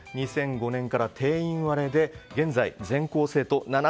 ２００５年から定員割れで現在、全校生徒７９人。